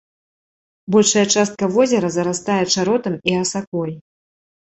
Большая частка возера зарастае чаротам і асакой.